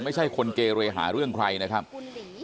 ไม่ใช่คนเกเรหาเรื่องใครนะครับ